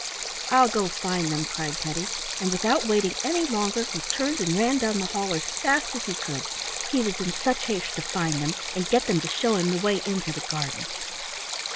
"I'll go find them," cried Teddy, and without waiting any longer he turned and ran down the hall as fast as he could, he was in such haste to find them and get them to show him the way into the garden.